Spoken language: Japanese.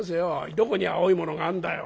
どこに青いものがあるんだよ？